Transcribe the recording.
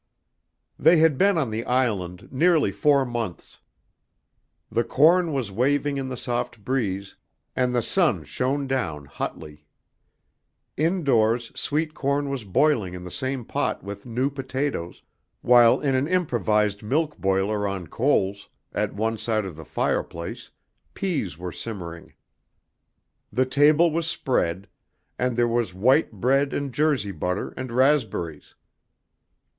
They had been on the island nearly four months. The corn was waving in the soft breeze, and the sun shone down hotly. Indoors sweet corn was boiling in the same pot with new potatoes, while in an improvised milk boiler on coals, at one side of the fireplace, peas were simmering. The table was spread, and there was white bread and jersey butter and raspberries.